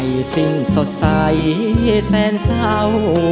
มีสิ่งสดใสแฟนเศร้า